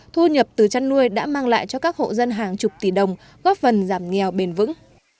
thu nhập từ chăn nuôi đã mang lại cho các hộ dân hàng chục tỷ đồng góp phần giảm nghèo bền vững